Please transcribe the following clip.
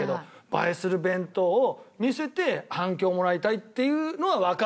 映えする弁当を見せて反響をもらいたいっていうのはわかるんですよ。